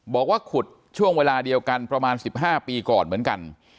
บอกว่าขุดช่วงเวลาเดียวกันประมาณ๑๕ปีก่อนเหมือนกัน